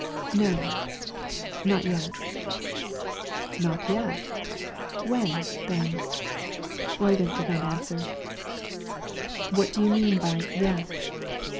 "No; not yet." "Not yet? When, then?" Oyvind did not answer. "What do you mean by yet?"